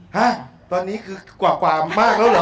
ฮะตอนนี้กว่ากว่าค่อยมากแล้วเหรอ